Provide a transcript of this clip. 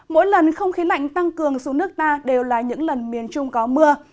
mỗi lần không khí lạnh tăng cường xuống nước ta đều là những lần miền trung có mưa